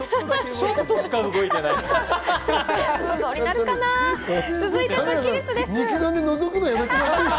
ちょっとしか動いていない。